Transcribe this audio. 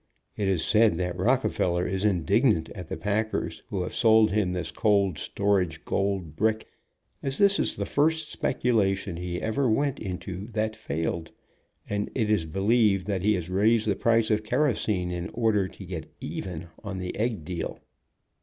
It is said that Rockefeller is indignant at the packers who have sold him this cold storage gold brick, as this is the first speculation he ever went into that failed, and it is believed that he has raised the price of kerosene in order to get even on the egg deal.